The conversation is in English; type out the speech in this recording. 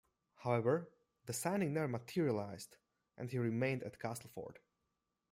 However, the signing never materialized and he remained at Castleford.